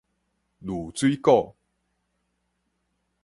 濾水鈷